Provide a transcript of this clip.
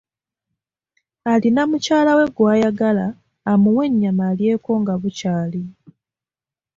Alina mukyala we gw'ayagala amuwe ennyama alyeko nga bukyali.